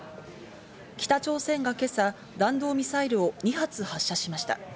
北朝鮮が今朝、弾道ミサイルを２発発射しました。